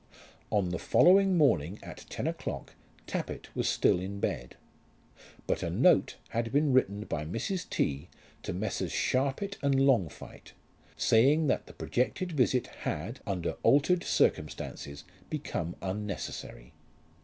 On the following morning at ten o'clock Tappitt was still in bed; but a note had been written by Mrs. T. to Messrs. Sharpit and Longfite, saying that the projected visit had, under altered circumstances, become unnecessary.